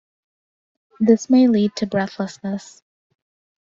This may lead to breathlessness.